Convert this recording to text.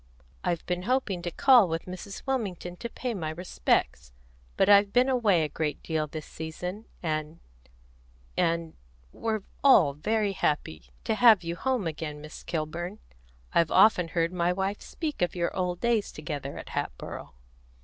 "I've been hoping to call with Mrs. Wilmington to pay my respects; but I've been away a great deal this season, and and We're all very happy to have you home again, Miss Kilburn. I've often heard my wife speak of your old days together at Hatboro'."